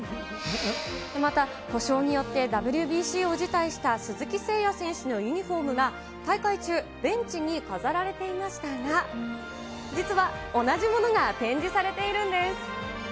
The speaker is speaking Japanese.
また、故障によってＷＢＣを辞退した鈴木誠也選手のユニホームが、大会中、ベンチに飾られていましたが、実は同じものが展示されているんです。